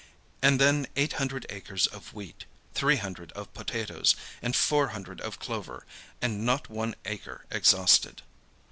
And then eight hundred acres of wheat, three hundred of potatoes, and four hundred of clover, and not one acre exhausted.